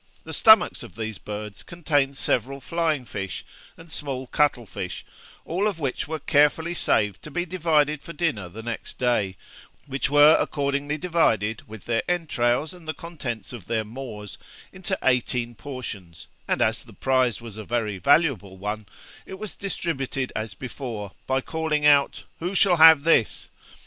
The stomachs of these birds contained several flying fish, and small cuttle fish, all of which were carefully saved to be divided for dinner the next day; which were accordingly divided with their entrails, and the contents of their maws, into eighteen portions, and, as the prize was a very valuable one, it was distributed as before, by calling out, '_Who shall have this?